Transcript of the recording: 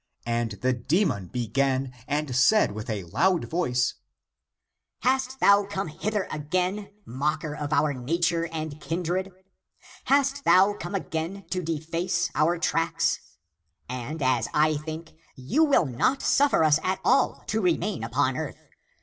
And the demon began and said with a loud voice, " Hast thou come hither again, mocker of our nature and kindred? Hast thou come again to deface our tracks. And as I think, you win not suffer us at all to remain upon earth.